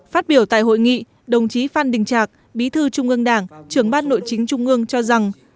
phát biểu tại hội nghị đồng chí phan đình trạc bí thư trung ương đảng trưởng ban nội chính trung ương cho rằng